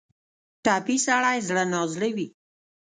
ټپي سړی زړه نا زړه وي.